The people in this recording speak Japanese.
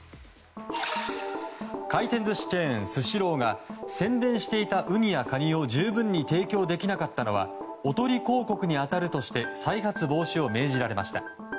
回転寿司チェーン、スシローが宣伝していたウニやカニを十分提供できなかったのはおとり広告に当たるとして再発防止を命じられました。